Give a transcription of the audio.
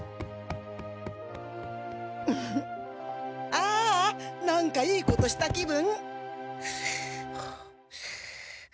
ああ何かいいことした気分！